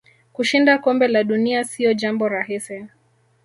Kushinda kombe la dunia sio jambo rahisi